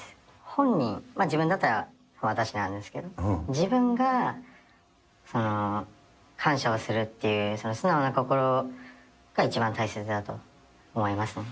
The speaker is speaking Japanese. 本人、自分だったら、私なんですけど、自分が感謝をするっていう、素直な心が一番大切だと思いますね。